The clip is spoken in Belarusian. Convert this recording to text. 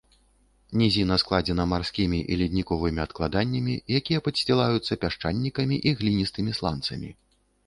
Нізіна складзена марскімі і ледніковымі адкладаннямі, якія падсцілаюцца пясчанікамі і гліністымі сланцамі.